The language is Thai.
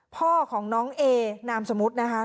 พ่อของน้องเอนามสมมุตินะคะ